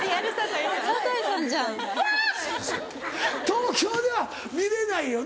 東京では見れないよ